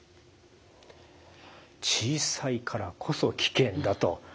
小さいからこそ危険だと。